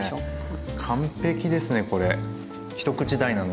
完璧ですねこれ。